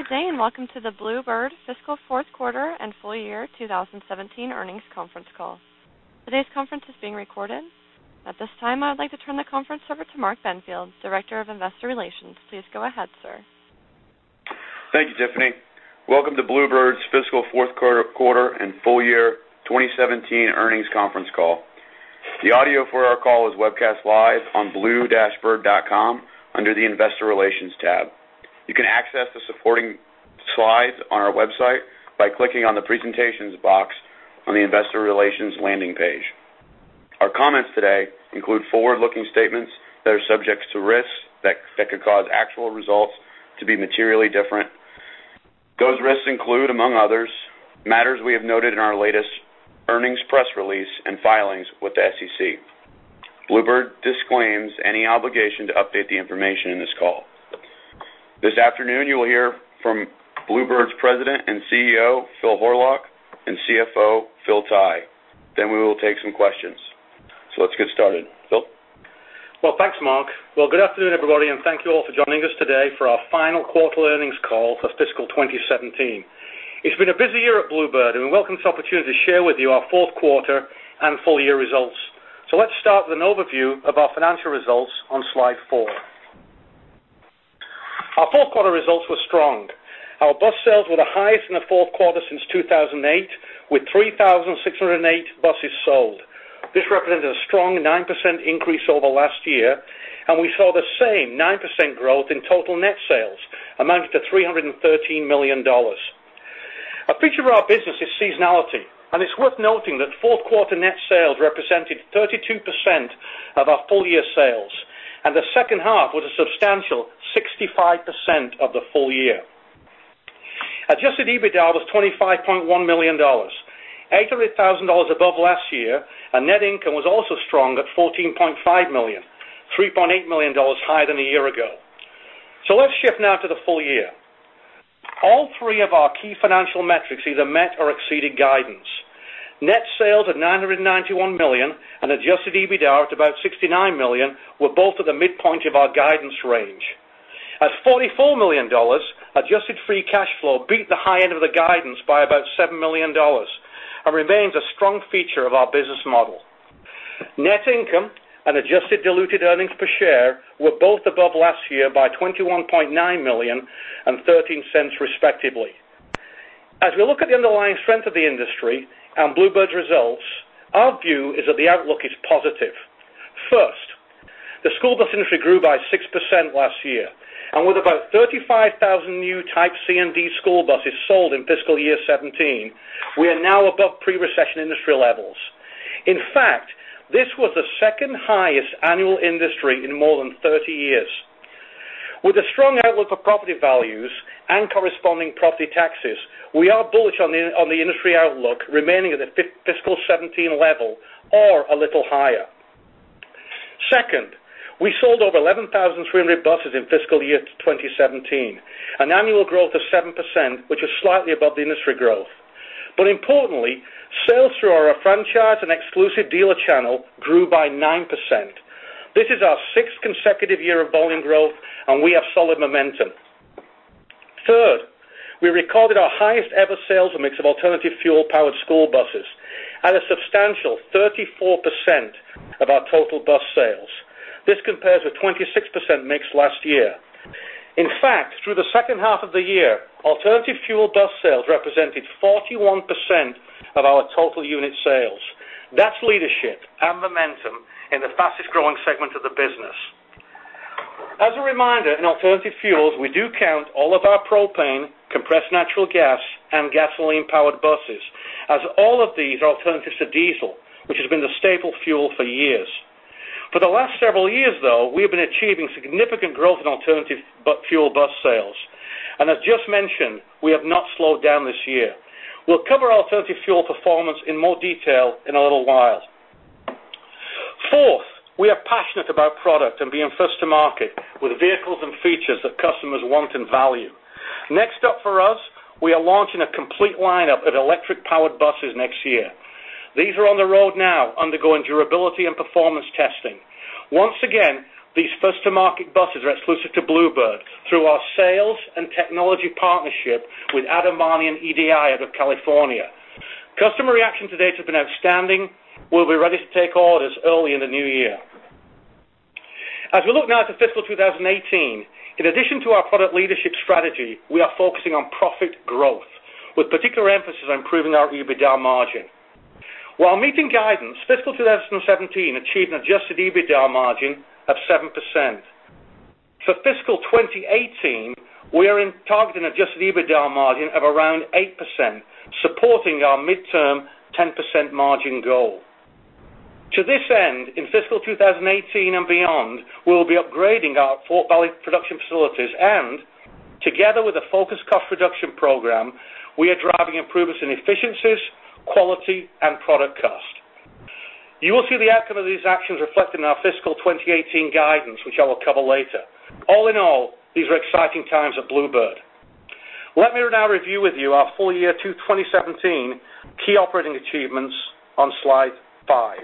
Good day, and welcome to the Blue Bird fiscal fourth quarter and full year 2017 earnings conference call. Today's conference is being recorded. At this time, I would like to turn the conference over to Mark Benfield, Director of Investor Relations. Please go ahead, sir. Thank you, Tiffany. Welcome to Blue Bird's fiscal fourth quarter and full year 2017 earnings conference call. The audio for our call is webcast live on blue-bird.com under the Investor Relations tab. You can access the supporting slides on our website by clicking on the presentations box on the Investor Relations landing page. Our comments today include forward-looking statements that are subject to risks that could cause actual results to be materially different. Those risks include, among others, matters we have noted in our latest earnings press release and filings with the SEC. Blue Bird disclaims any obligation to update the information in this call. This afternoon, you will hear from Blue Bird's President and CEO, Phil Horlock, and CFO, Phil Tighe. We will take some questions. Let's get started. Phil? Thanks, Mark. Good afternoon, everybody, and thank you all for joining us today for our final quarter earnings call for fiscal 2017. It's been a busy year at Blue Bird, and we welcome this opportunity to share with you our fourth quarter and full-year results. Let's start with an overview of our financial results on slide four. Our fourth quarter results were strong. Our bus sales were the highest in the fourth quarter since 2008, with 3,608 buses sold. This represented a strong 9% increase over last year, and we saw the same 9% growth in total net sales, amounting to $313 million. A feature of our business is seasonality, and it's worth noting that fourth quarter net sales represented 32% of our full-year sales, and the second half was a substantial 65% of the full year. Adjusted EBITDA was $25.1 million, $800,000 above last year, and net income was also strong at $14.5 million, $3.8 million higher than a year ago. Let's shift now to the full year. All three of our key financial metrics either met or exceeded guidance. Net sales at $991 million and adjusted EBITDA at about $69 million were both at the midpoint of our guidance range. At $44 million, adjusted free cash flow beat the high end of the guidance by about $7 million and remains a strong feature of our business model. Net income and adjusted diluted earnings per share were both above last year by $21.9 million and $0.13 respectively. As we look at the underlying strength of the industry and Blue Bird's results, our view is that the outlook is positive. With about 35,000 new Type C and D school buses sold in fiscal year 2017, we are now above pre-recession industry levels. In fact, this was the second highest annual industry in more than 30 years. With a strong outlook for property values and corresponding property taxes, we are bullish on the industry outlook remaining at the fiscal 2017 level or a little higher. Second, we sold over 11,300 buses in fiscal year 2017, an annual growth of 7%, which is slightly above the industry growth. Importantly, sales through our franchise and exclusive dealer channel grew by 9%. This is our sixth consecutive year of volume growth, and we have solid momentum. Third, we recorded our highest-ever sales mix of alternative fuel-powered school buses at a substantial 34% of our total bus sales. This compares with 26% mix last year. In fact, through the second half of the year, alternative fuel bus sales represented 41% of our total unit sales. That's leadership and momentum in the fastest-growing segment of the business. As a reminder, in alternative fuels, we do count all of our propane, compressed natural gas, and gasoline-powered buses, as all of these are alternatives to diesel, which has been the staple fuel for years. For the last several years, though, we have been achieving significant growth in alternative fuel bus sales. As just mentioned, we have not slowed down this year. We'll cover alternative fuel performance in more detail in a little while. Fourth, we are passionate about product and being first to market with vehicles and features that customers want and value. Next up for us, we are launching a complete lineup of electric-powered buses next year. These are on the road now, undergoing durability and performance testing. Once again, these first-to-market buses are exclusive to Blue Bird through our sales and technology partnership with Adomani and EDI out of California. Customer reaction to date has been outstanding. We'll be ready to take orders early in the new year. As we look now to fiscal 2018, in addition to our product leadership strategy, we are focusing on profit growth, with particular emphasis on improving our EBITDA margin. While meeting guidance, fiscal 2017 achieved an adjusted EBITDA margin of 7%. For fiscal 2018, we are targeting adjusted EBITDA margin of around 8%, supporting our midterm 10% margin goal. To this end, in fiscal 2018 and beyond, we'll be upgrading our Fort Valley production facilities. Together with a focused cost reduction program, we are driving improvements in efficiencies, quality, and product cost. You will see the outcome of these actions reflected in our fiscal 2018 guidance, which I will cover later. All in all, these are exciting times at Blue Bird. Let me now review with you our full year 2017 key operating achievements on slide five.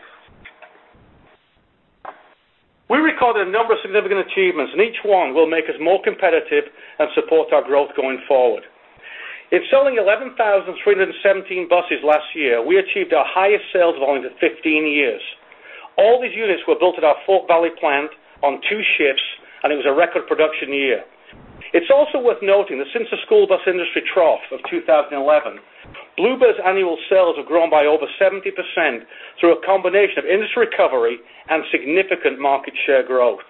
We recorded a number of significant achievements. Each one will make us more competitive and support our growth going forward. In selling 11,317 buses last year, we achieved our highest sales volume in 15 years. All these units were built at our Fort Valley plant on two shifts. It was a record production year. It's also worth noting that since the school bus industry trough of 2011, Blue Bird's annual sales have grown by over 70% through a combination of industry recovery and significant market share growth.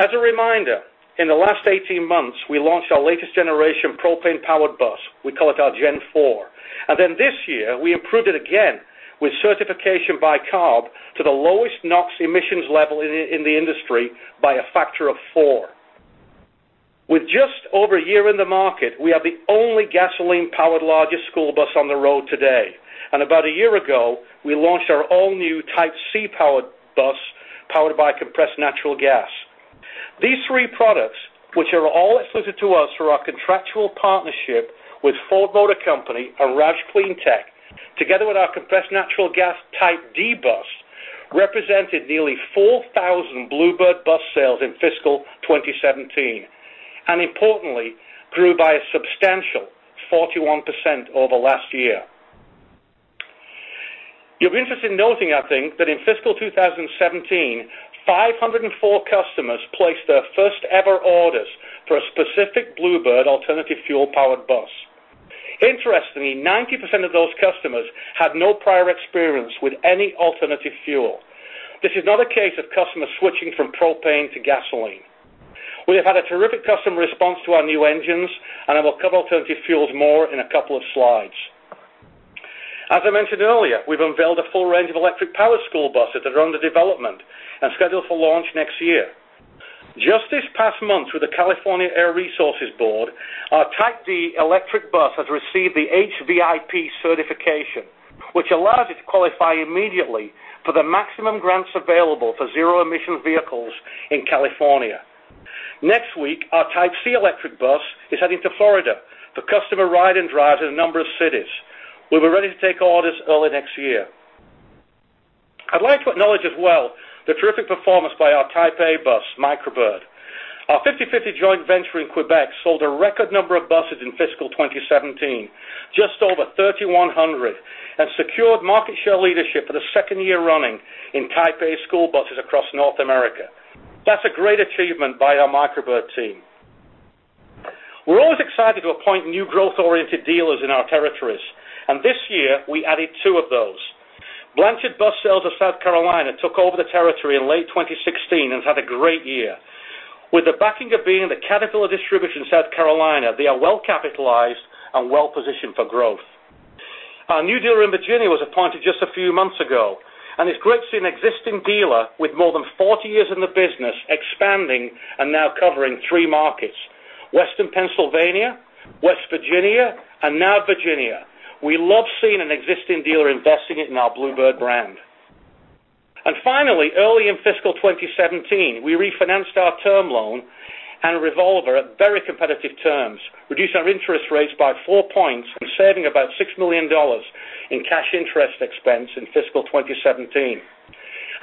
As a reminder, in the last 18 months we launched our latest generation propane-powered bus. We call it our Gen4. This year, we improved it again with certification by CARB to the lowest NOx emissions level in the industry by a factor of four. With just over a year in the market, we are the only gasoline-powered larger school bus on the road today. About a year ago, we launched our all-new Type C powered bus, powered by compressed natural gas. These three products, which are all exclusive to us through our contractual partnership with Ford Motor Company and Roush CleanTech, together with our compressed natural gas Type D bus, represented nearly 4,000 Blue Bird bus sales in fiscal 2017, and importantly, grew by a substantial 41% over last year. You'll be interested in noting, I think, that in fiscal 2017, 504 customers placed their first-ever orders for a specific Blue Bird alternative fuel-powered bus. Interestingly, 90% of those customers had no prior experience with any alternative fuel. This is not a case of customers switching from propane to gasoline. We have had a terrific customer response to our new engines, and I will cover alternative fuels more in a couple of slides. As I mentioned earlier, we've unveiled a full range of electric-powered school buses that are under development and scheduled for launch next year. Just this past month with the California Air Resources Board, our Type D electric bus has received the HVIP certification, which allows it to qualify immediately for the maximum grants available for zero-emission vehicles in California. Next week, our Type C electric bus is heading to Florida for customer ride and drives in a number of cities. We'll be ready to take orders early next year. I'd like to acknowledge as well the terrific performance by our Type A bus, Micro Bird. Our 50/50 joint venture in Quebec sold a record number of buses in fiscal 2017, just over 3,100, and secured market share leadership for the second year running in Type A school buses across North America. That's a great achievement by our Micro Bird team. We're always excited to appoint new growth-oriented dealers in our territories, and this year we added two of those. Blanchard Bus Centers of South Carolina took over the territory in late 2016 and has had a great year. With the backing of being the Caterpillar distributor in South Carolina, they are well capitalized and well-positioned for growth. Our new dealer in Virginia was appointed just a few months ago, and it's great to see an existing dealer with more than 40 years in the business expanding and now covering three markets: western Pennsylvania, West Virginia, and now Virginia. We love seeing an existing dealer investing in our Blue Bird brand. Finally, early in fiscal 2017, we refinanced our term loan and a revolver at very competitive terms, reduced our interest rates by four points, and saving about $6 million in cash interest expense in fiscal 2017.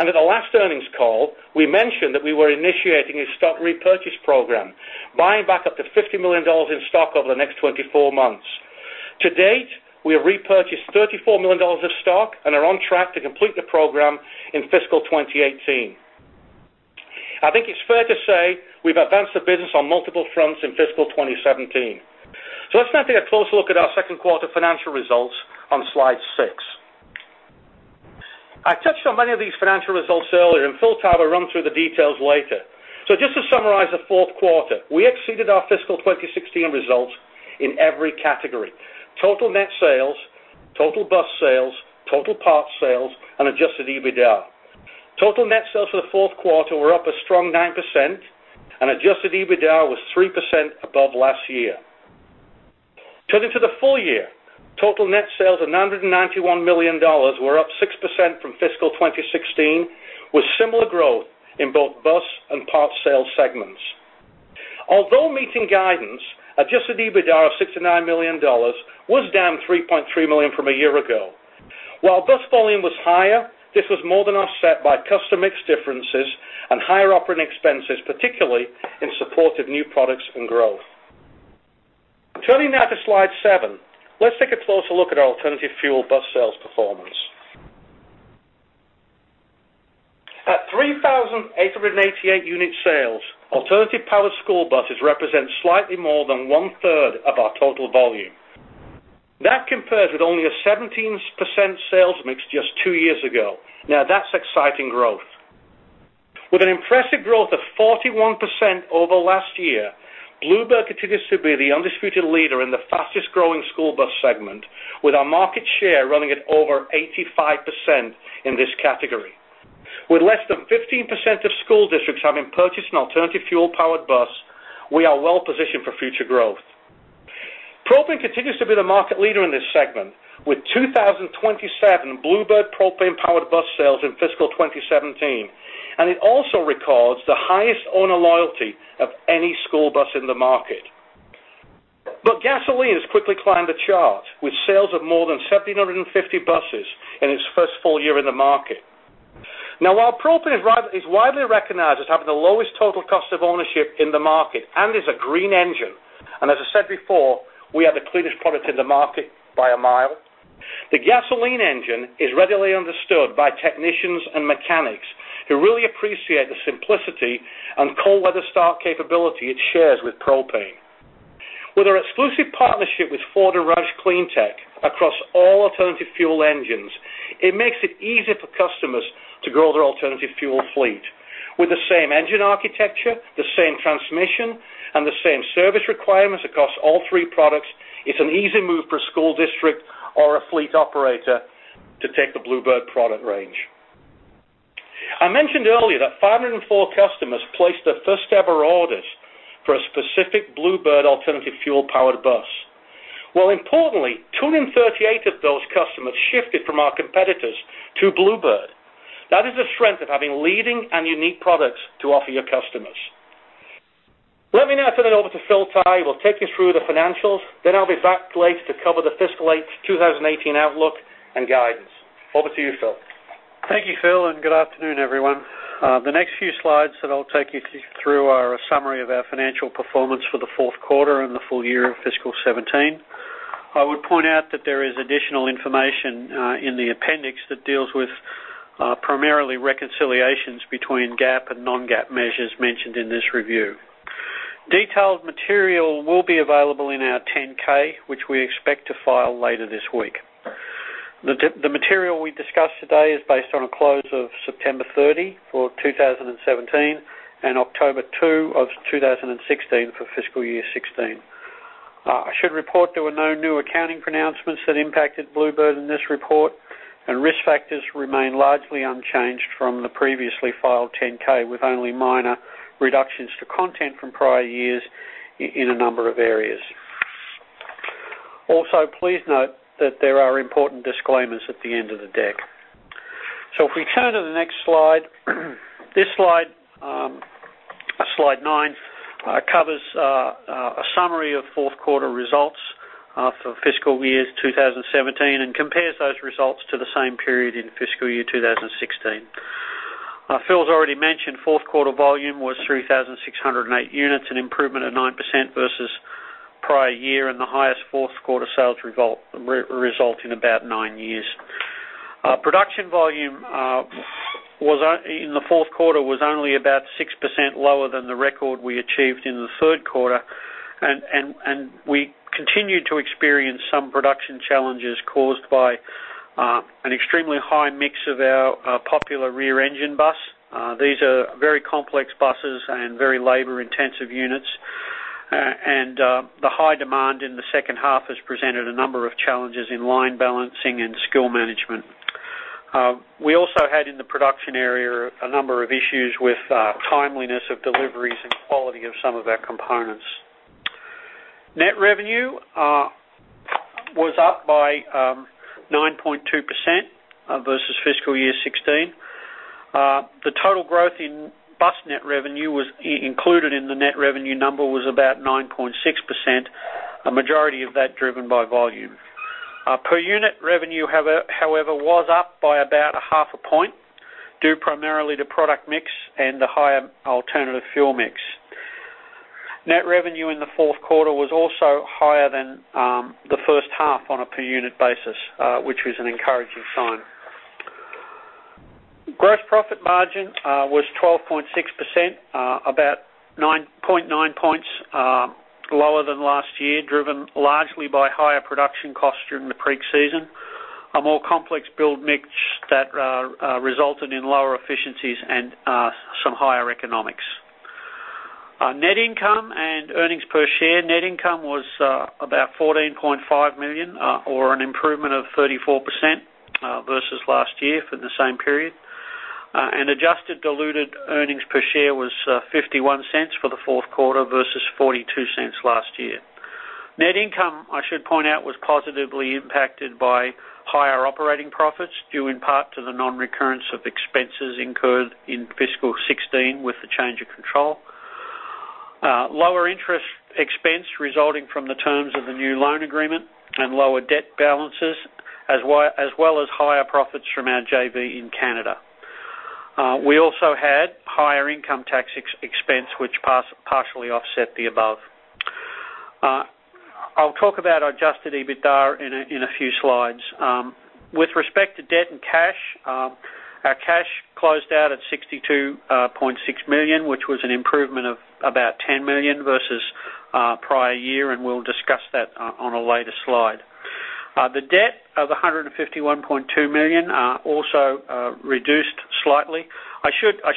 At the last earnings call, we mentioned that we were initiating a stock repurchase program, buying back up to $50 million in stock over the next 24 months. To date, we have repurchased $34 million of stock and are on track to complete the program in fiscal 2018. I think it's fair to say we've advanced the business on multiple fronts in fiscal 2017. Let's now take a closer look at our second quarter financial results on slide six. I touched on many of these financial results earlier, and Phil Tighe will run through the details later. Just to summarize the fourth quarter, we exceeded our fiscal 2016 results in every category: total net sales, total bus sales, total parts sales, and adjusted EBITDA. Total net sales for the fourth quarter were up a strong 9%, and adjusted EBITDA was 3% above last year. Turning to the full year, total net sales of $991 million were up 6% from fiscal 2016, with similar growth in both bus and parts sales segments. Although meeting guidance, adjusted EBITDA of $69 million was down $3.3 million from a year ago. While bus volume was higher, this was more than offset by customer mix differences and higher operating expenses, particularly in support of new products and growth. I'm turning now to slide seven. Let's take a closer look at our alternative fuel bus sales performance. At 3,888 unit sales, alternative-powered school buses represent slightly more than one-third of our total volume. That compares with only a 17% sales mix just two years ago. That's exciting growth. With an impressive growth of 41% over last year, Blue Bird continues to be the undisputed leader in the fastest-growing school bus segment, with our market share running at over 85% in this category. With less than 15% of school districts having purchased an alternative fuel-powered bus, we are well-positioned for future growth. Propane continues to be the market leader in this segment, with 2,027 Blue Bird propane-powered bus sales in fiscal 2017, and it also records the highest owner loyalty of any school bus in the market. Gasoline has quickly climbed the charts with sales of more than 1,750 buses in its first full year in the market. While propane is widely recognized as having the lowest total cost of ownership in the market and is a green engine, and as I said before, we have the cleanest product in the market by a mile. The gasoline engine is readily understood by technicians and mechanics who really appreciate the simplicity and cold weather start capability it shares with propane. With our exclusive partnership with Ford and Roush CleanTech across all alternative fuel engines, it makes it easier for customers to grow their alternative fuel fleet. With the same engine architecture, the same transmission, and the same service requirements across all three products, it's an easy move for a school district or a fleet operator to take the Blue Bird product range. I mentioned earlier that 504 customers placed their first-ever orders for a specific Blue Bird alternative fuel-powered bus, while importantly, 238 of those customers shifted from our competitors to Blue Bird. That is the strength of having leading and unique products to offer your customers. Let me now turn it over to Phil Tighe, who will take you through the financials, then I'll be back later to cover the fiscal 2018 outlook and guidance. Over to you, Phil. Thank you, Phil, and good afternoon, everyone. The next few slides that I'll take you through are a summary of our financial performance for the fourth quarter and the full year of fiscal 2017. I would point out that there is additional information in the appendix that deals with primarily reconciliations between GAAP and non-GAAP measures mentioned in this review. Detailed material will be available in our 10-K, which we expect to file later this week. The material we discuss today is based on a close of September 30 for 2017 and October 2 of 2016 for fiscal year 2016. I should report there were no new accounting pronouncements that impacted Blue Bird in this report, and risk factors remain largely unchanged from the previously filed 10-K, with only minor reductions to content from prior years in a number of areas. Also, please note that there are important disclaimers at the end of the deck. If we turn to the next slide. This slide nine, covers a summary of fourth quarter results for fiscal year 2017 and compares those results to the same period in fiscal year 2016. Phil's already mentioned fourth quarter volume was 3,608 units, an improvement of 9% versus prior year and the highest fourth quarter sales result in about nine years. Production volume in the fourth quarter was only about 6% lower than the record we achieved in the third quarter, and we continued to experience some production challenges caused by an extremely high mix of our popular rear engine bus. These are very complex buses and very labor-intensive units. The high demand in the second half has presented a number of challenges in line balancing and skill management. We also had in the production area a number of issues with timeliness of deliveries and quality of some of our components. Net revenue was up by 9.2% versus fiscal year 2016. The total growth in bus net revenue included in the net revenue number was about 9.6%, a majority of that driven by volume. Per unit revenue, however, was up by about a half a point, due primarily to product mix and the higher alternative fuel mix. Net revenue in the fourth quarter was also higher than the first half on a per unit basis, which was an encouraging sign. Gross profit margin was 12.6%, about 9.9 points lower than last year, driven largely by higher production costs during the peak season, a more complex build mix that resulted in lower efficiencies and some higher economics. Net income and earnings per share. Net income was about $14.5 million or an improvement of 34% versus last year for the same period. Adjusted diluted earnings per share was $0.51 for the fourth quarter versus $0.42 last year. Net income, I should point out, was positively impacted by higher operating profits, due in part to the non-recurrence of expenses incurred in fiscal 2016 with the change of control. Lower interest expense resulting from the terms of the new loan agreement and lower debt balances, as well as higher profits from our JV in Canada. We also had higher income tax expense, which partially offset the above. I'll talk about adjusted EBITDA in a few slides. With respect to debt and cash, our cash closed out at $62.6 million, which was an improvement of about $10 million versus prior year, and we'll discuss that on a later slide. The debt of $151.2 million also reduced slightly. I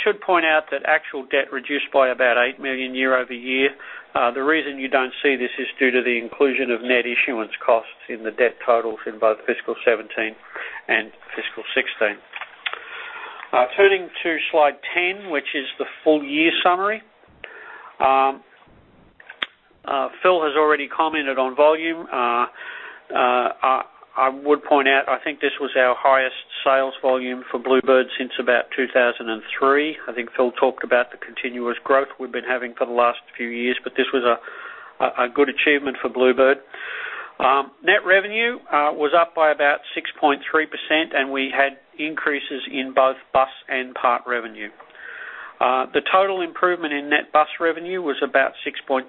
should point out that actual debt reduced by about $8 million year-over-year. The reason you don't see this is due to the inclusion of net issuance costs in the debt totals in both fiscal 2017 and fiscal 2016. Turning to slide 10, which is the full year summary. Phil has already commented on volume. I would point out, I think this was our highest sales volume for Blue Bird since about 2003. I think Phil talked about the continuous growth we've been having for the last few years, but this was a good achievement for Blue Bird. Net revenue was up by about 6.3%, and we had increases in both bus and parts revenue. The total improvement in net bus revenue was about 6.2%,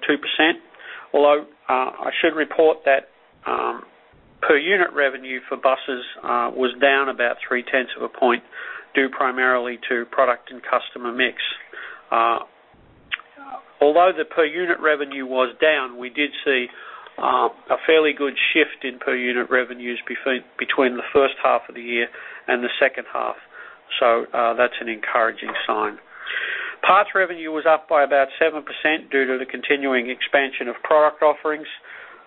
although I should report that per unit revenue for buses was down about three-tenths of a point, due primarily to product and customer mix. Although the per unit revenue was down, we did see a fairly good shift in per unit revenues between the first half of the year and the second half. That's an encouraging sign. Parts revenue was up by about 7% due to the continuing expansion of product offerings,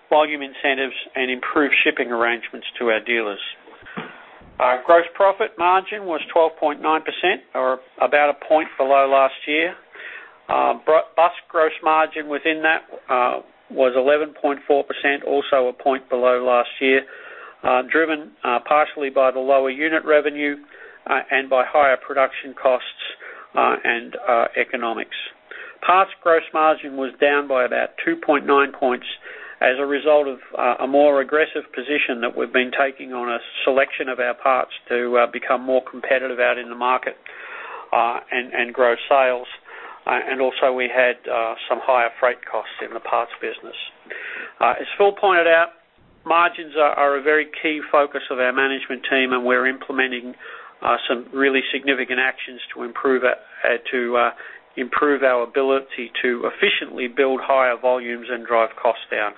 volume incentives, and improved shipping arrangements to our dealers. Our gross profit margin was 12.9%, or about a point below last year. Bus gross margin within that was 11.4%, also a point below last year, driven partially by the lower unit revenue and by higher production costs and economics. Parts gross margin was down by about 2.9 points as a result of a more aggressive position that we've been taking on a selection of our parts to become more competitive out in the market and grow sales. Also we had some higher freight costs in the parts business. As Phil pointed out, margins are a very key focus of our management team, and we're implementing some really significant actions to improve our ability to efficiently build higher volumes and drive costs down.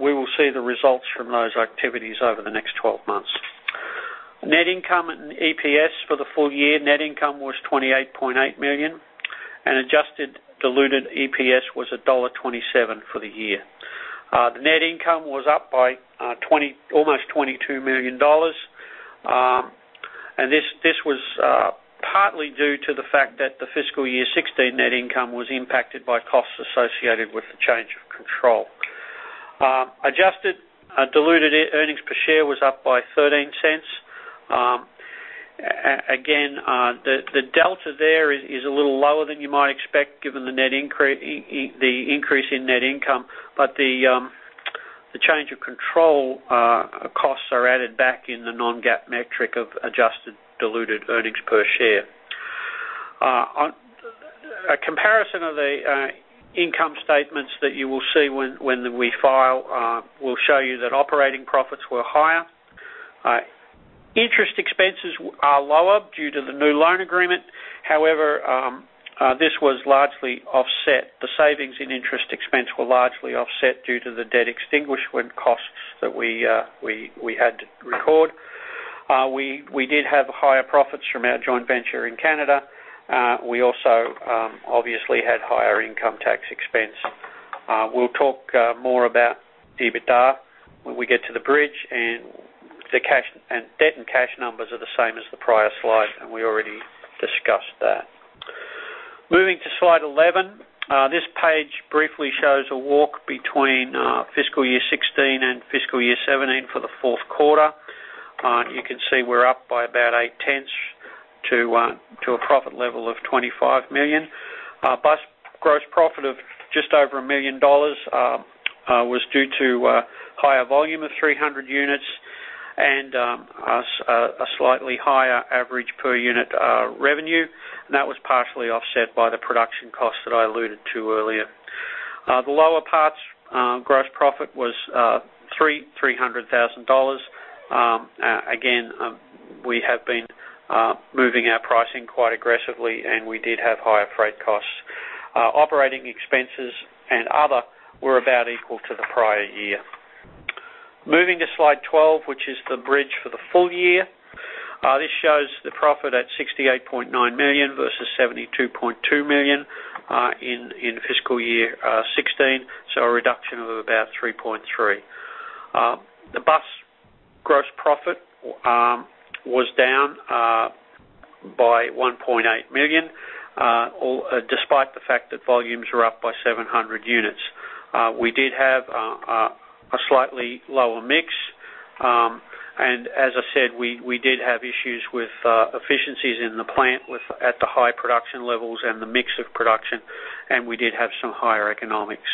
We will see the results from those activities over the next 12 months. Net income and EPS for the full year. Net income was $28.8 million, and adjusted diluted EPS was $1.27 for the year. The net income was up by almost $22 million, and this was partly due to the fact that the fiscal year 2016 net income was impacted by costs associated with the change of control. Adjusted diluted earnings per share was up by $0.13. Again, the delta there is a little lower than you might expect given the increase in net income, but the change of control costs are added back in the non-GAAP metric of adjusted diluted earnings per share. A comparison of the income statements that you will see when we file will show you that operating profits were higher. Interest expenses are lower due to the new loan agreement. However, the savings in interest expense were largely offset due to the debt extinguishment costs that we had to record. We did have higher profits from our joint venture in Canada. We also obviously had higher income tax expense. We will talk more about the EBITDA when we get to the bridge, the debt and cash numbers are the same as the prior slide, and we already discussed that. Moving to slide 11. This page briefly shows a walk between fiscal year 2016 and fiscal year 2017 for the fourth quarter. You can see we are up by about 0.8 to a profit level of $25 million. Bus gross profit of just over $1 million was due to a higher volume of 300 units and a slightly higher average per unit revenue. That was partially offset by the production costs that I alluded to earlier. The lower parts gross profit was $300,000. Again, we have been moving our pricing quite aggressively, and we did have higher freight costs. Operating expenses and other were about equal to the prior year. Moving to slide 12, which is the bridge for the full year. This shows the profit at $68.9 million versus $72.2 million in fiscal year 2016, so a reduction of about 3.3%. The bus gross profit was down by $1.8 million, despite the fact that volumes were up by 700 units. We did have a slightly lower mix, and as I said, we did have issues with efficiencies in the plant at the high production levels and the mix of production, and we did have some higher economics.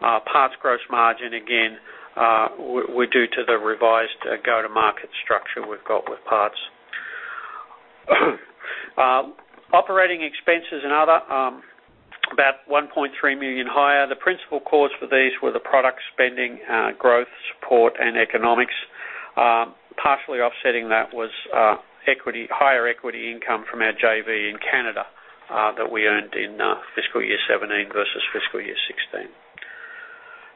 Parts gross margin, again, was due to the revised go-to-market structure we have got with parts. Operating expenses and other, about $1.3 million higher. The principal cause for these were the product spending, growth, support, and economics. Partially offsetting that was higher equity income from our JV in Canada that we earned in fiscal year 2017 versus fiscal year 2016.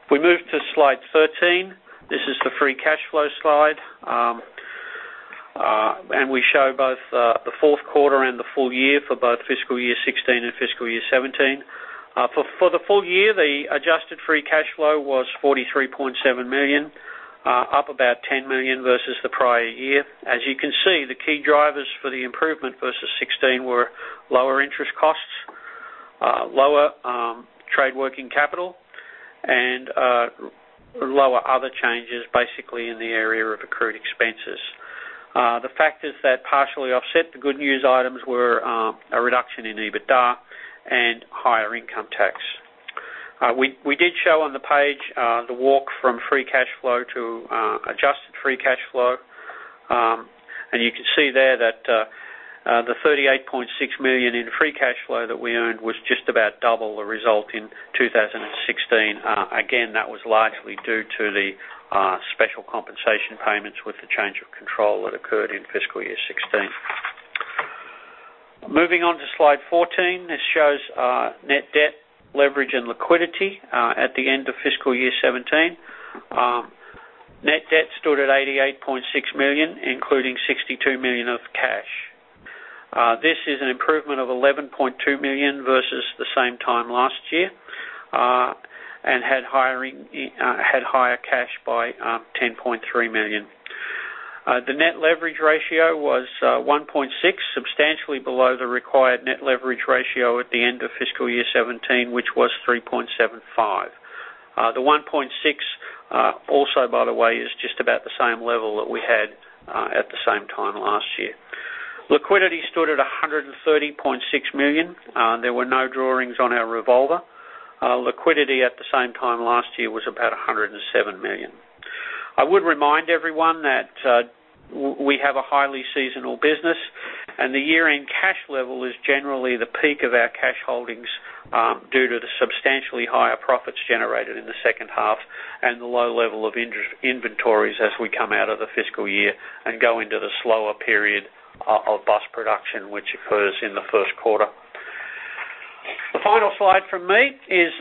We move to slide 13. This is the free cash flow slide, and we show both the fourth quarter and the full year for both fiscal year 2016 and fiscal year 2017. For the full year, the adjusted free cash flow was $43.7 million, up about $10 million versus the prior year. As you can see, the key drivers for the improvement versus 2016 were lower interest costs, lower trade working capital and lower other changes, basically in the area of accrued expenses. The fact that partially offset the good news items were a reduction in EBITDA and higher income tax. We did show on the page, the walk from free cash flow to adjusted free cash flow. You can see there that the $38.6 million in free cash flow that we earned was just about double the result in 2016. Again, that was largely due to the special compensation payments with the change of control that occurred in fiscal year 2016. Moving on to slide 14, this shows net debt leverage and liquidity at the end of fiscal year 2017. Net debt stood at $88.6 million, including $62 million of cash. This is an improvement of $11.2 million versus the same time last year, and had higher cash by $10.3 million. The net leverage ratio was 1.6, substantially below the required net leverage ratio at the end of fiscal year 2017, which was 3.75. The 1.6, also by the way, is just about the same level that we had at the same time last year. Liquidity stood at $130.6 million. There were no drawings on our revolver. Liquidity at the same time last year was about $107 million. I would remind everyone that we have a highly seasonal business, and the year-end cash level is generally the peak of our cash holdings, due to the substantially higher profits generated in the second half and the low level of inventories as we come out of the fiscal year and go into the slower period of bus production, which occurs in the first quarter. The final slide from me is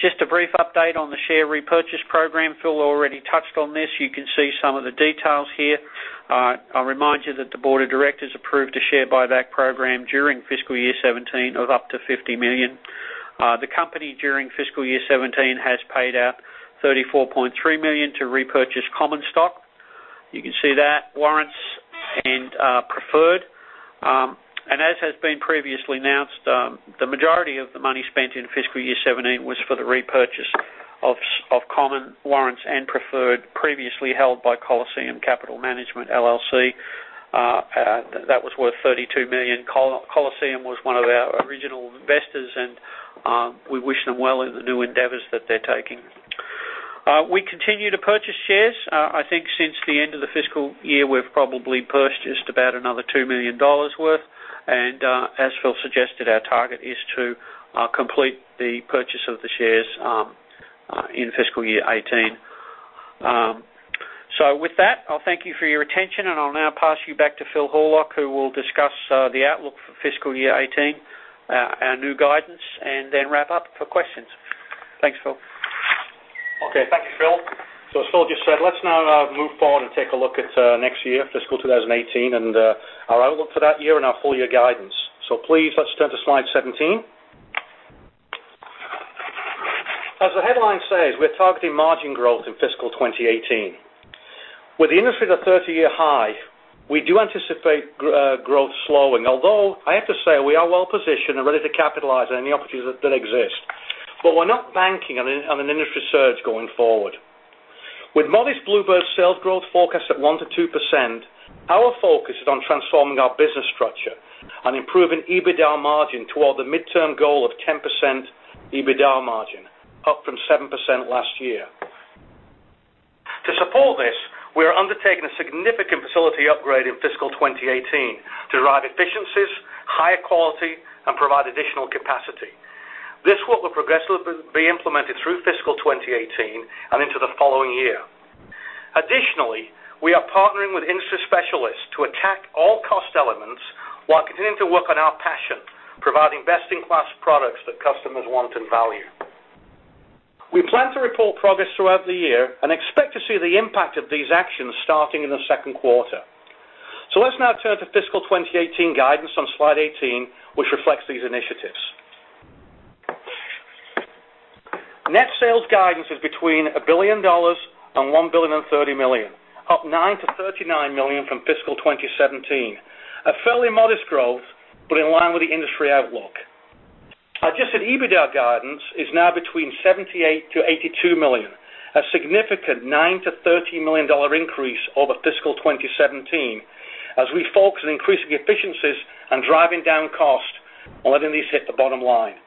just a brief update on the share repurchase program. Phil already touched on this. You can see some of the details here. I'll remind you that the board of directors approved a share buyback program during fiscal year 2017 of up to $50 million. The company during fiscal year 2017 has paid out $34.3 million to repurchase common stock. You can see that warrants and preferred. As has been previously announced, the majority of the money spent in fiscal year 2017 was for the repurchase of common warrants and preferred previously held by Coliseum Capital Management, LLC. That was worth $32 million. Coliseum was one of our original investors and we wish them well in the new endeavors that they're taking. We continue to purchase shares. I think since the end of the fiscal year, we've probably purchased about another $2 million worth. As Phil suggested, our target is to complete the purchase of the shares in fiscal year 2018. With that, I'll thank you for your attention, and I'll now pass you back to Phil Horlock, who will discuss the outlook for fiscal year 2018, our new guidance, and then wrap up for questions. Thanks, Phil. Okay. Thank you, Phil. As Phil just said, let's now move forward and take a look at next year, fiscal 2018, and our outlook for that year and our full-year guidance. Please, let's turn to slide 17. As the headline says, we're targeting margin growth in fiscal 2018. With the industry at a 30-year high, we do anticipate growth slowing, although I have to say, we are well-positioned and ready to capitalize on any opportunities that exist. We're not banking on an industry surge going forward. With modest Blue Bird sales growth forecast at 1%-2%, our focus is on transforming our business structure and improving EBITDA margin toward the midterm goal of 10% EBITDA margin, up from 7% last year. To support this, we are undertaking a significant facility upgrade in fiscal 2018 to drive efficiencies, higher quality, and provide additional capacity. This work will progressively be implemented through fiscal 2018 and into the following year. Additionally, we are partnering with industry specialists to attack all cost elements while continuing to work on our passion, providing best-in-class products that customers want and value. We plan to report progress throughout the year and expect to see the impact of these actions starting in the second quarter. Let's now turn to fiscal 2018 guidance on slide 18, which reflects these initiatives. Net sales guidance is between $1 billion and $1,030,000,000, up $9 million-$39 million from fiscal 2017. A fairly modest growth, but in line with the industry outlook. Adjusted EBITDA guidance is now between $78 million-$82 million. A significant $9 million-$13 million increase over fiscal 2017 as we focus on increasing efficiencies and driving down costs and letting these hit the bottom line.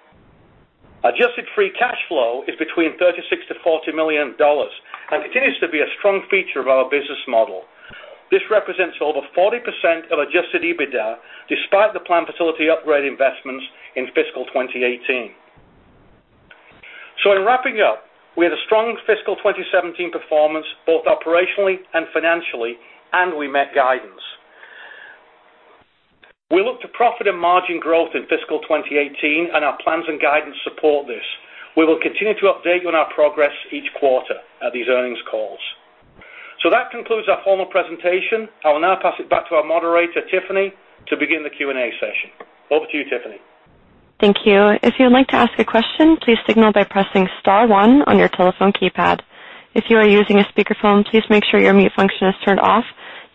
Adjusted free cash flow is between $36 million-$40 million and continues to be a strong feature of our business model. This represents over 40% of adjusted EBITDA despite the planned facility upgrade investments in fiscal 2018. In wrapping up, we had a strong fiscal 2017 performance, both operationally and financially, and we met guidance. We look to profit and margin growth in fiscal 2018 and our plans and guidance support this. We will continue to update you on our progress each quarter at these earnings calls. That concludes our formal presentation. I will now pass it back to our moderator, Tiffany, to begin the Q&A session. Over to you, Tiffany. Thank you. If you would like to ask a question, please signal by pressing star one on your telephone keypad. If you are using a speakerphone, please make sure your mute function is turned off.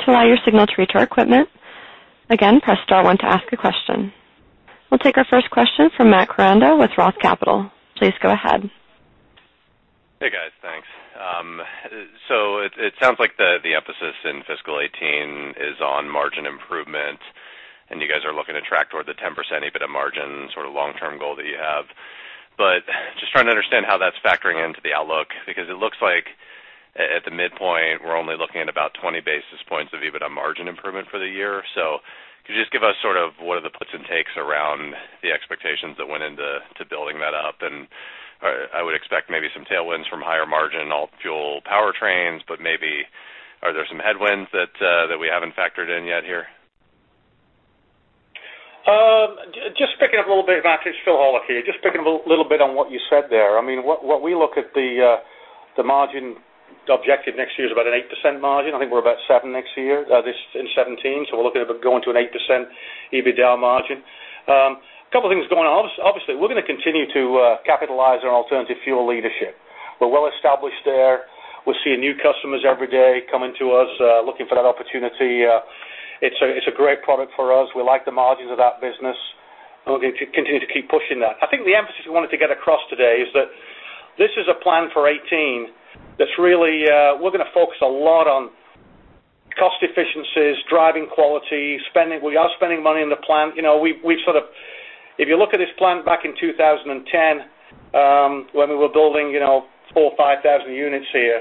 To allow your signal to reach our equipment, again, press star one to ask a question. We'll take our first question from Matt Randall with ROTH Capital. Please go ahead. Hey, guys. Thanks. It sounds like the emphasis in fiscal 2018 is on margin improvement, and you guys are looking to track towards the 10% EBITDA margin sort of long-term goal that you have. Just trying to understand how that's factoring into the outlook, because it looks like at the midpoint, we're only looking at about 20 basis points of EBITDA margin improvement for the year. Could you just give us sort of what are the puts and takes around the expectations that went into building that up? I would expect maybe some tailwinds from higher margin, alt-fuel powertrains, but maybe are there some headwinds that we haven't factored in yet here? Just picking up a little bit, Matt, it's Phil Horlock here. Just picking up a little bit on what you said there. What we look at the margin objective next year is about an 8% margin. I think we're about seven next year, this in 2017, so we're looking at going to an 8% EBITDA margin. A couple of things going on. Obviously, we're going to continue to capitalize on alternative fuel leadership. We're well-established there. We're seeing new customers every day coming to us, looking for that opportunity. It's a great product for us. We like the margins of that business, and we're going to continue to keep pushing that. I think the emphasis we wanted to get across today is that this is a plan for 2018 that's really, we're going to focus a lot on cost efficiencies, driving quality. We are spending money on the plant. If you look at this plant back in 2010, when we were building 4,000 or 5,000 units here,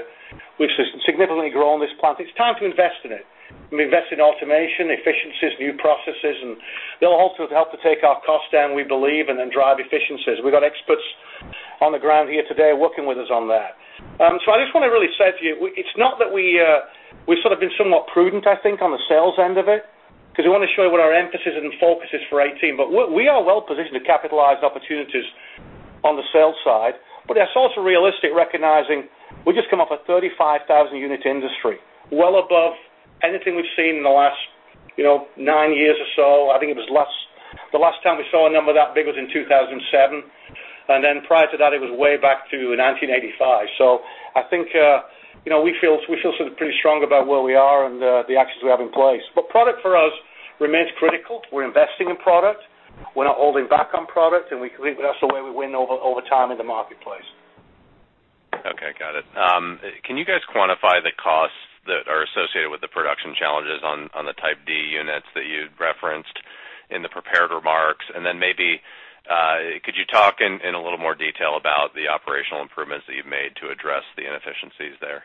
we've significantly grown this plant. It's time to invest in it. We invest in automation, efficiencies, new processes, and they'll also help to take our costs down, we believe, and then drive efficiencies. We've got experts on the ground here today working with us on that. I just want to really say to you, it's not that we've sort of been somewhat prudent, I think, on the sales end of it, because we want to show what our emphasis and focus is for 2018. We are well-positioned to capitalize opportunities on the sales side. That's also realistic, recognizing we've just come off a 35,000-unit industry, well above anything we've seen in the last nine years or so. I think the last time we saw a number that big was in 2007. Prior to that, it was way back to 1985. I think we feel sort of pretty strong about where we are and the actions we have in place. Product for us remains critical. We're investing in product. We're not holding back on product, and we believe that's the way we win over time in the marketplace. Okay, got it. Can you guys quantify the costs that are associated with the production challenges on the Type D units that you'd referenced in the prepared remarks? Maybe could you talk in a little more detail about the operational improvements that you've made to address the inefficiencies there?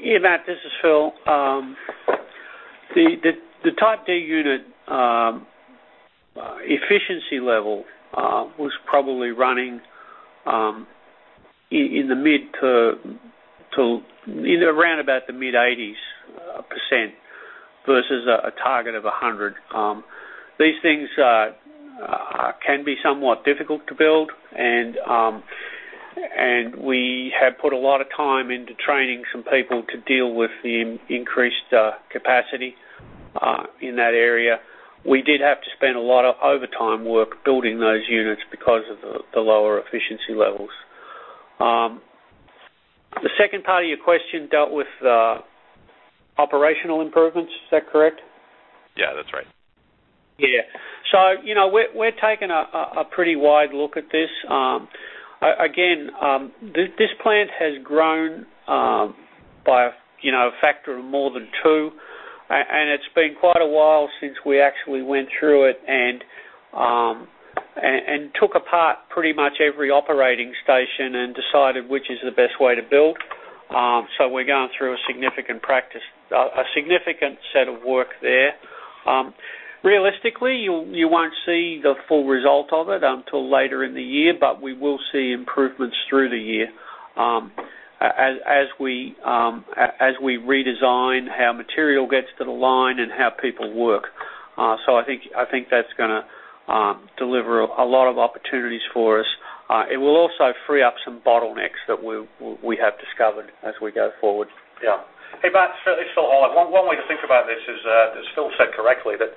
Yeah, Matt, this is Phil. The Type D unit efficiency level was probably running in around about the mid 80s% versus a target of 100. These things can be somewhat difficult to build, and we have put a lot of time into training some people to deal with the increased capacity in that area. We did have to spend a lot of overtime work building those units because of the lower efficiency levels. The second part of your question dealt with operational improvements. Is that correct? Yeah, that's right. Yeah. We're taking a pretty wide look at this. Again, this plant has grown by a factor of more than two, and it's been quite a while since we actually went through it and took apart pretty much every operating station and decided which is the best way to build. We're going through a significant set of work there. Realistically, you won't see the full result of it until later in the year, but we will see improvements through the year as we redesign how material gets to the line and how people work. I think that's going to deliver a lot of opportunities for us. It will also free up some bottlenecks that we have discovered as we go forward. Yeah. Hey, Matt, this is Phil Horlock. One way to think about this, as Phil said correctly, that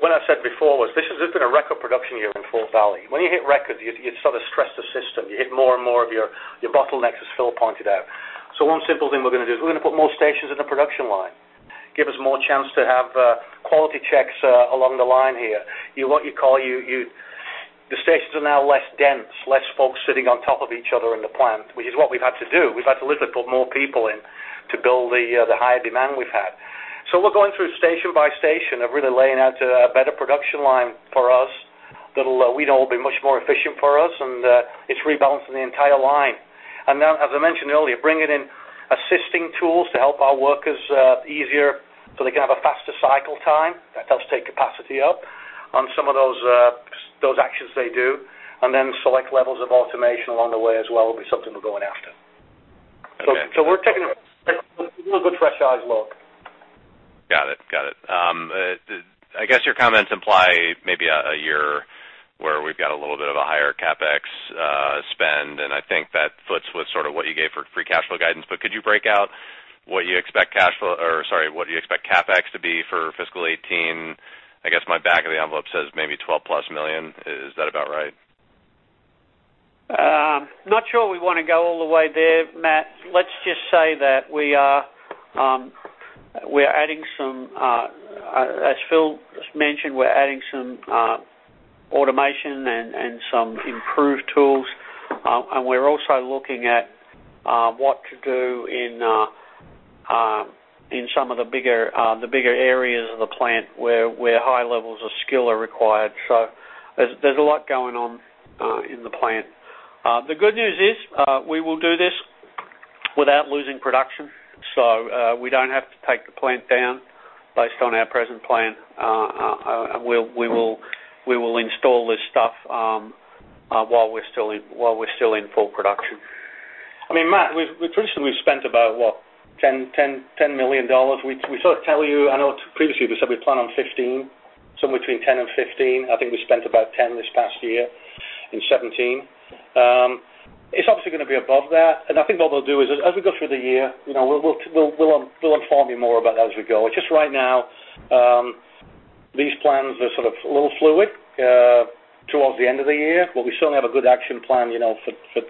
what I said before was this has been a record production year in Fort Valley. When you hit record, you sort of stress the system. You hit more and more of your bottlenecks, as Phil pointed out. One simple thing we're going to do is we're going to put more stations in the production line, give us more chance to have quality checks along the line here. The stations are now less dense, less folks sitting on top of each other in the plant, which is what we've had to do. We've had to literally put more people in to build the higher demand we've had. We're going through station by station of really laying out a better production line for us that we know will be much more efficient for us, and it's rebalancing the entire line. Then, as I mentioned earlier, bringing in assisting tools to help our workers easier so they can have a faster cycle time. That does take capacity up on some of those actions they do, and then select levels of automation along the way as well will be something we're going after. We're taking a real good fresh eyes look. Got it. I guess your comments imply maybe a year where we've got a little bit of a higher CapEx spend, and I think that foots with sort of what you gave for free cash flow guidance. Could you break out what do you expect CapEx to be for fiscal 2018? I guess my back of the envelope says maybe $12-plus million. Is that about right? Not sure we want to go all the way there, Matt. Let's just say that as Phil mentioned, we're adding some automation and some improved tools. We're also looking at what to do in some of the bigger areas of the plant where high levels of skill are required. There's a lot going on in the plant. The good news is, we will do this without losing production. We don't have to take the plant down based on our present plan. We will install this stuff while we're still in full production. Matt, recently we've spent about, what, $10 million? We sort of tell you, I know previously we said we plan on $15 million, somewhere between $10 million and $15 million. I think we spent about $10 million this past year in 2017. It's obviously going to be above that. I think what we'll do is, as we go through the year, we'll inform you more about that as we go. Just right now, these plans are sort of a little fluid towards the end of the year, but we certainly have a good action plan for a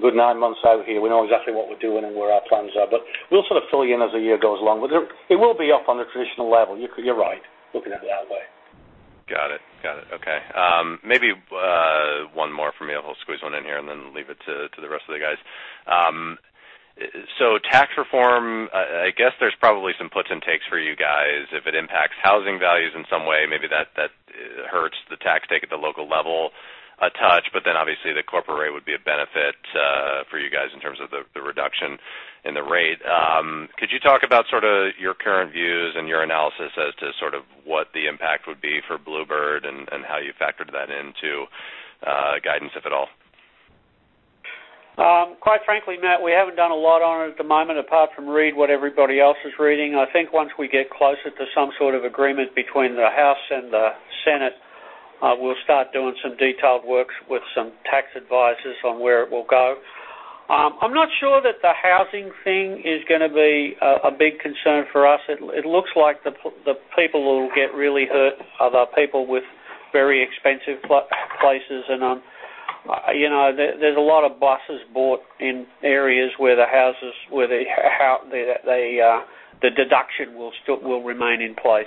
good nine months out here. We know exactly what we're doing and where our plans are, but we'll sort of fill you in as the year goes along. It will be up on the traditional level. You're right, looking at it that way. Got it. Okay. Maybe one more from me. I'll squeeze one in here and then leave it to the rest of the guys. Tax reform, I guess there's probably some puts and takes for you guys. If it impacts housing values in some way, maybe that hurts the tax take at the local level a touch, but then obviously the corporate rate would be a benefit for you guys in terms of the reduction in the rate. Could you talk about sort of your current views and your analysis as to sort of what the impact would be for Blue Bird and how you factored that into guidance, if at all? Quite frankly, Matt, we haven't done a lot on it at the moment, apart from read what everybody else is reading. I think once we get closer to some sort of agreement between the House and the Senate, we'll start doing some detailed works with some tax advisors on where it will go. I'm not sure that the housing thing is going to be a big concern for us. It looks like the people who will get really hurt are the people with very expensive places. There's a lot of buses bought in areas where the deduction will remain in place.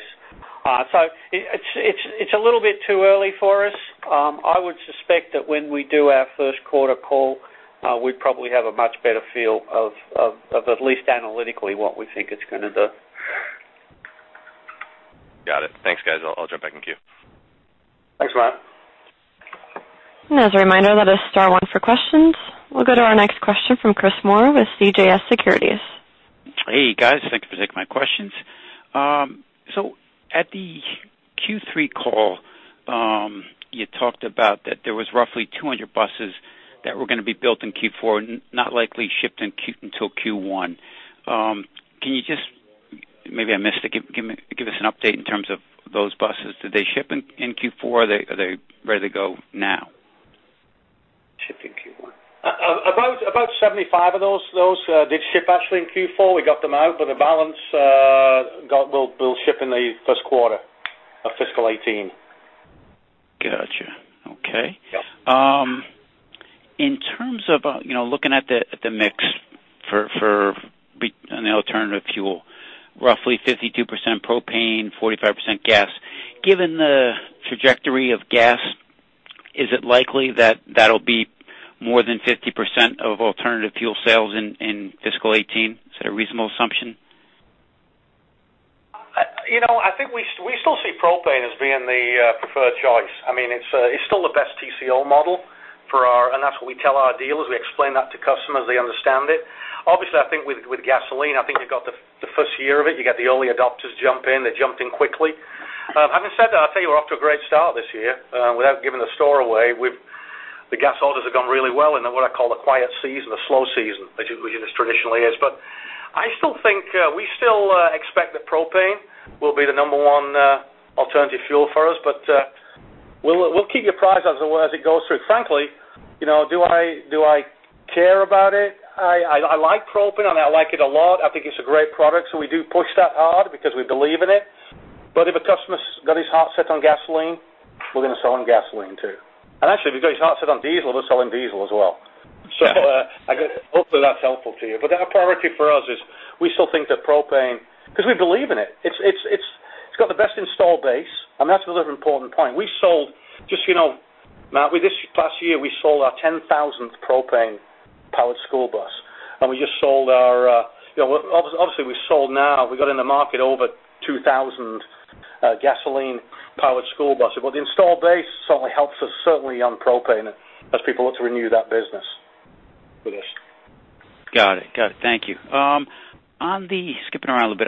It's a little bit too early for us. I would suspect that when we do our first quarter call, we'd probably have a much better feel of at least analytically what we think it's going to do. Got it. Thanks, guys. I'll jump back in queue. Thanks, Matt. As a reminder, that is star one for questions. We'll go to our next question from Chris Moore with CJS Securities. Hey, guys. Thank you for taking my questions. At the Q3 call, you talked about that there was roughly 200 buses that were going to be built in Q4, not likely shipped until Q1. Can you just, maybe I missed it, give us an update in terms of those buses? Did they ship in Q4? Are they ready to go now? Shipped in Q1. About 75 of those did ship actually in Q4. We got them out, but the balance will ship in the first quarter of fiscal 2018. Got you. Okay. Yeah. In terms of looking at the mix for an alternative fuel, roughly 52% propane, 45% gas. Given the trajectory of gas, is it likely that that'll be more than 50% of alternative fuel sales in fiscal 2018? Is that a reasonable assumption? I think we still see propane as being the preferred choice. It's still the best TCO model, and that's what we tell our dealers. We explain that to customers. They understand it. Obviously, with gasoline, you've got the first year of it. You get the early adopters jump in. They jumped in quickly. Having said that, I tell you, we're off to a great start this year. Without giving the store away, the gas orders have gone really well in what I call the quiet season, the slow season, which it traditionally is. I still think we still expect that propane will be the number one alternative fuel for us, but we'll keep you apprised as it goes through. Frankly, do I care about it? I like propane, and I like it a lot. I think it's a great product, we do push that hard because we believe in it. If a customer's got his heart set on gasoline, we're going to sell him gasoline, too. Actually, if he's got his heart set on diesel, we'll sell him diesel as well. Hopefully that's helpful to you. The priority for us is we still think that propane, because we believe in it. It's got the best install base, and that's another important point. We sold, just so you know, Matt, with this past year, we sold our 10,000th propane-powered school bus, obviously, we've sold now, we got in the market over 2,000 gasoline-powered school buses. The install base certainly helps us certainly on propane as people look to renew that business with us. Got it. Thank you. Skipping around a little bit.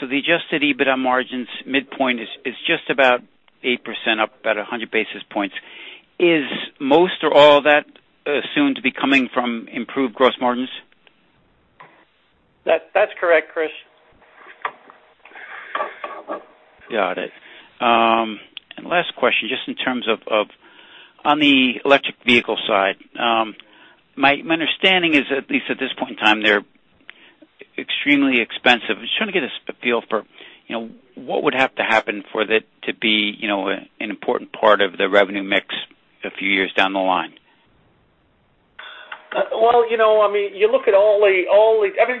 The adjusted EBITDA margins midpoint is just about 8% up, about 100 basis points. Is most or all that soon to be coming from improved gross margins? That's correct, Chris. Got it. Last question, just in terms of on the electric vehicle side. My understanding is, at least at this point in time, they are extremely expensive. I was trying to get a feel for what would have to happen for that to be an important part of the revenue mix a few years down the line. Well, everything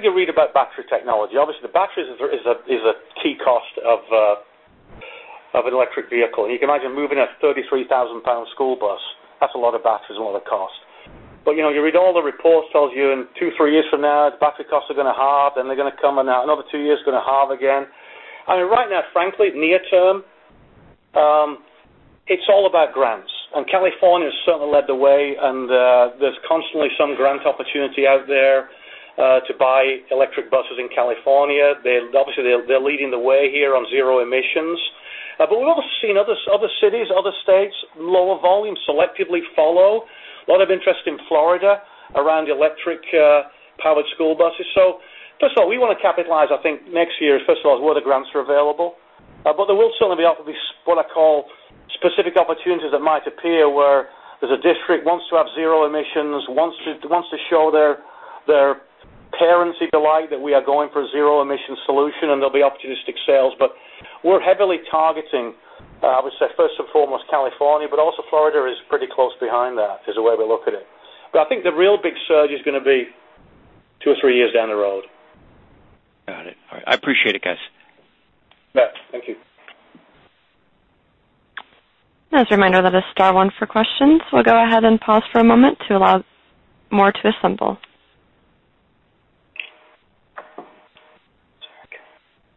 you read about battery technology, obviously the battery is a key cost of an electric vehicle. You can imagine moving a 33,000-pound school bus. That is a lot of batteries and a lot of cost. You read all the reports tells you in two, three years from now, the battery costs are going to halve, and they are going to come, and another two years is going to halve again. I mean, right now, frankly, near term, it is all about grants. California has certainly led the way, and there is constantly some grant opportunity out there to buy electric buses in California. Obviously, they are leading the way here on zero emissions. We have also seen other cities, other states, lower volume selectively follow. A lot of interest in Florida around electric-powered school buses. First of all, we want to capitalize, I think, next year, first of all, where the grants are available. There will certainly be what I call specific opportunities that might appear where there is a district wants to have zero emissions, wants to show their parents, if you like, that we are going for a zero-emission solution, and there will be opportunistic sales. We are heavily targeting, I would say, first and foremost, California, also Florida is pretty close behind that, is the way we look at it. I think the real big surge is going to be two or three years down the road. Got it. All right. I appreciate it, guys. Yeah. Thank you. As a reminder, that is star one for questions. We'll go ahead and pause for a moment to allow more to assemble.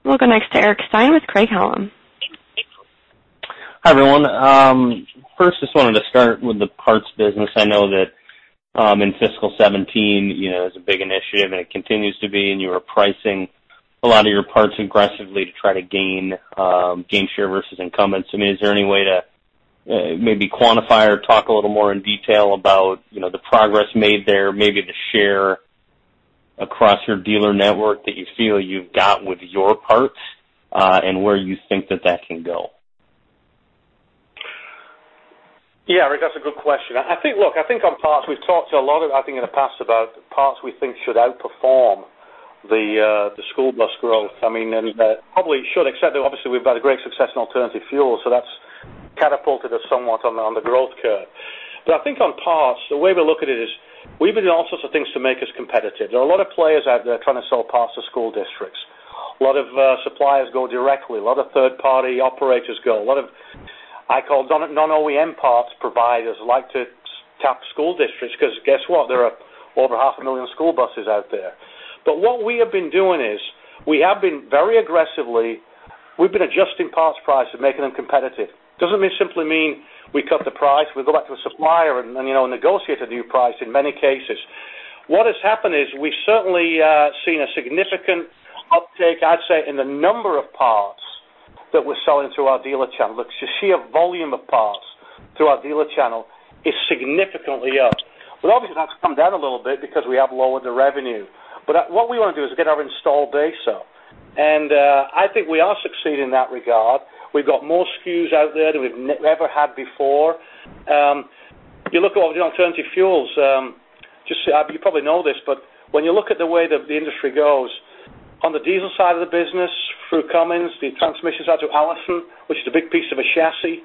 We'll go next to Eric Stine with Craig-Hallum. Hi, everyone. First, just wanted to start with the parts business. I know that in fiscal 2017, it was a big initiative, it continues to be. You are pricing a lot of your parts aggressively to try to gain share versus incumbents. I mean, is there any way to maybe quantify or talk a little more in detail about the progress made there, maybe the share across your dealer network that you feel you've got with your parts? Where you think that that can go? Yeah, Eric, that's a good question. I think on parts, we've talked a lot, I think in the past about parts we think should outperform the school bus growth. I mean, and probably should, except that obviously we've had a great success in alternative fuel, that's catapulted us somewhat on the growth curve. I think on parts, the way we look at it is we've been doing all sorts of things to make us competitive. There are a lot of players out there trying to sell parts to school districts. A lot of suppliers go directly. A lot of third-party operators go. A lot of, I call non-OEM parts providers like to tap school districts because guess what? There are over half a million school buses out there. What we have been doing is we have been very aggressively, we've been adjusting parts price and making them competitive. Doesn't simply mean we cut the price. We go back to a supplier and negotiate a new price in many cases. What has happened is we've certainly seen a significant uptake, I'd say, in the number of parts that we're selling through our dealer channel. You see a volume of parts through our dealer channel is significantly up. Obviously, that's come down a little bit because we have lowered the revenue. What we want to do is get our install base up. I think we are succeeding in that regard. We've got more SKUs out there than we've ever had before. You look at alternative fuels, you probably know this, when you look at the way that the industry goes, on the diesel side of the business through Cummins, the transmissions out to Allison, which is a big piece of a chassis.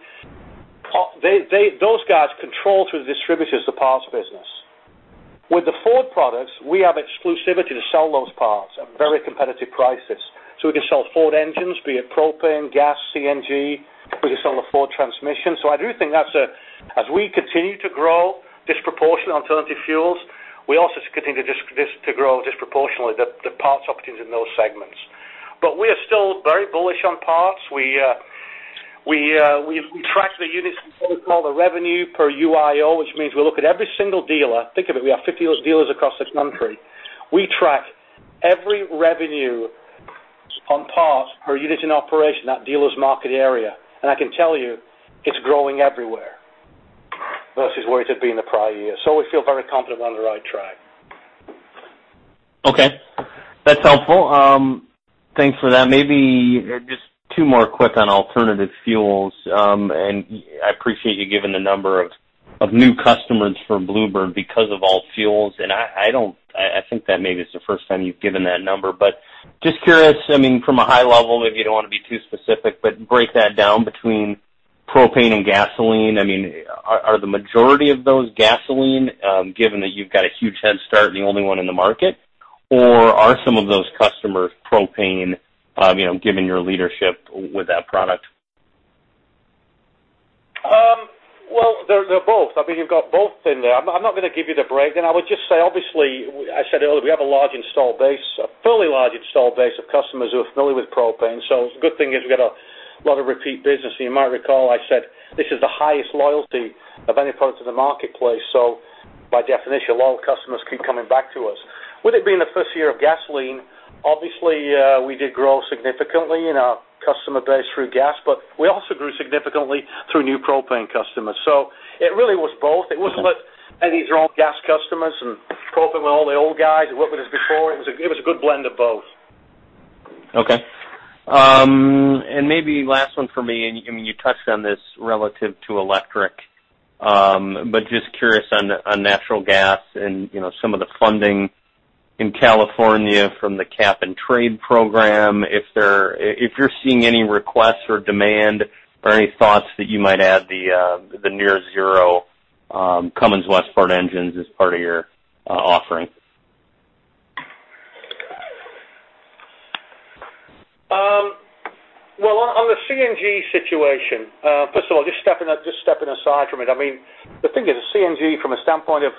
Those guys control through the distributors the parts business. With the Ford products, we have exclusivity to sell those parts at very competitive prices. We can sell Ford engines, be it propane, gas, CNG. We can sell the Ford transmission. I do think as we continue to grow disproportionately alternative fuels, we also continue to grow disproportionately the parts opportunities in those segments. We are still very bullish on parts. We track the units, what we call the revenue per UIO, which means we look at every single dealer. Think of it, we have 50 of those dealers across this country. We track every revenue on parts per unit in operation, that dealer's market area. I can tell you, it's growing everywhere versus where it had been in the prior years. We feel very confident we're on the right track. Okay. That's helpful. Thanks for that. Maybe just two more quick on alternative fuels. I appreciate you giving the number of new customers for Blue Bird because of alt fuels, I think that maybe it's the first time you've given that number, just curious, I mean, from a high level, maybe you don't want to be too specific, break that down between propane and gasoline. I mean, are the majority of those gasoline, given that you've got a huge head start and the only one in the market, or are some of those customers propane, given your leadership with that product? Well, they're both. I mean, you've got both in there. I'm not going to give you the breakdown. I would just say, obviously, I said earlier, we have a large install base, a fairly large install base of customers who are familiar with propane. The good thing is we got a lot of repeat business. You might recall, I said this is the highest loyalty of any product in the marketplace. By definition, loyal customers keep coming back to us. With it being the first year of gasoline, obviously, we did grow significantly in our customer base through gas, but we also grew significantly through new propane customers. It really was both. It wasn't like these are all gas customers and coping with all the old guys that worked with us before. It was a good blend of both. Okay. Maybe last one for me, and you touched on this relative to electric, but just curious on natural gas and some of the funding in California from the Cap-and-Trade program, if you're seeing any requests or demand or any thoughts that you might add the Near-Zero Cummins Westport engines as part of your offering. Well, on the CNG situation, first of all, just stepping aside from it, the thing is, CNG, from a standpoint of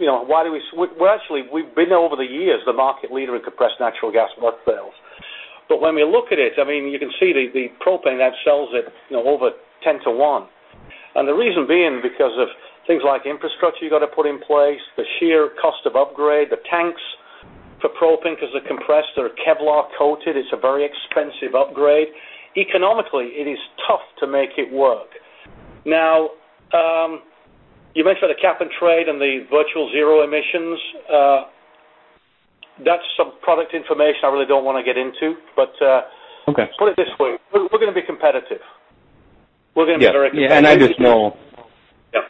why do we. We actually, we've been, over the years, the market leader in compressed natural gas work sales. When we look at it, you can see the propane that sells at over 10 to one. The reason being, because of things like infrastructure you got to put in place, the sheer cost of upgrade, the tanks for propane, because they're compressed, they're Kevlar coated. It's a very expensive upgrade. Economically, it is tough to make it work. Now, you mentioned the Cap-and-Trade and the virtual zero emissions. That's some product information I really don't want to get into. Okay put it this way, we're going to be competitive. We're going to be very competitive. Yeah.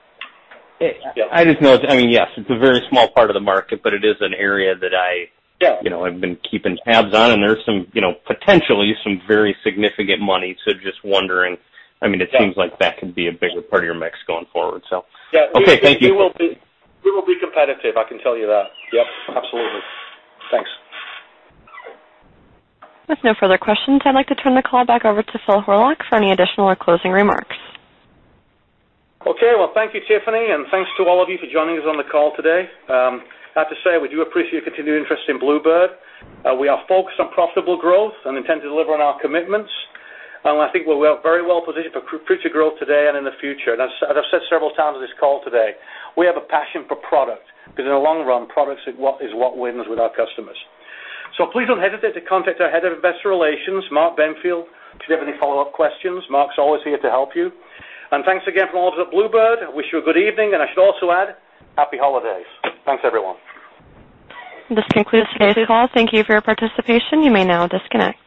Yeah. I just know, yes, it's a very small part of the market, but it is an area that I- Yeah I've been keeping tabs on, and there's potentially some very significant money. Just wondering, it seems like that could be a bigger part of your mix going forward. Yeah. Okay. Thank you. We will be competitive, I can tell you that. Yep, absolutely. Thanks. With no further questions, I'd like to turn the call back over to Phil Horlock for any additional or closing remarks. Okay. Well, thank you, Tiffany, and thanks to all of you for joining us on the call today. I have to say, we do appreciate your continued interest in Blue Bird. We are focused on profitable growth and intend to deliver on our commitments. I think we are very well positioned for future growth today and in the future. As I've said several times on this call today, we have a passion for product, because in the long run, products is what wins with our customers. Please don't hesitate to contact our Head of Investor Relations, Mark Benfield, should you have any follow-up questions. Mark's always here to help you. Thanks again from all of us at Blue Bird. Wish you a good evening, and I should also add, happy holidays. Thanks, everyone. This concludes today's call. Thank you for your participation. You may now disconnect.